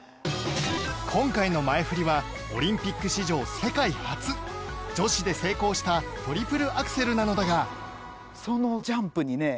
今回の前フリはオリンピック史上世界初女子で成功したトリプルアクセルなのだが